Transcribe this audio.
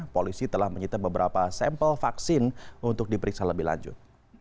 polisi telah menyita beberapa sampel vaksin untuk diperiksa lebih lanjut